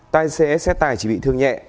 tài xế xe tải chỉ bị thương nhẹ